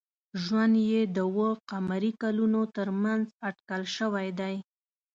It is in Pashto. ژوند یې د اوه ق کلونو تر منځ اټکل شوی دی.